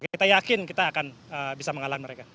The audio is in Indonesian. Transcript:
kita yakin kita akan bisa mengalahkan mereka